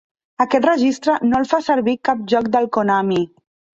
Aquest registre no el fa servir cap joc de Konami.